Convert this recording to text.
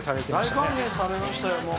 大歓迎されましたよ。